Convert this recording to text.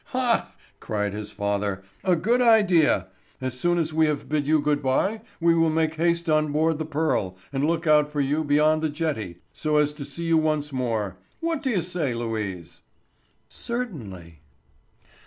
"Hah!" cried his father. "A good idea! As soon as we have bid you good bye, we will make haste on board the Pearl, and look out for you beyond the jetty, so as to see you once more. What do you say, Louise?" "Certainly."